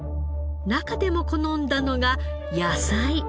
中でも好んだのが野菜。